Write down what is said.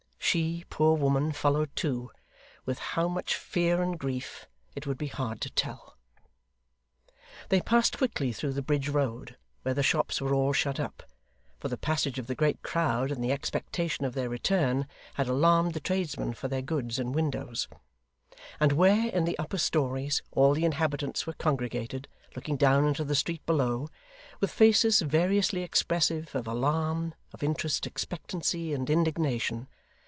She, poor woman, followed too with how much fear and grief it would be hard to tell. They passed quickly through the Bridge Road, where the shops were all shut up (for the passage of the great crowd and the expectation of their return had alarmed the tradesmen for their goods and windows), and where, in the upper stories, all the inhabitants were congregated, looking down into the street below, with faces variously expressive of alarm, of interest, expectancy, and indignation.